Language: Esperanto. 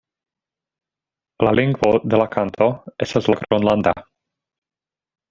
La lingvo de la kanto estas la gronlanda.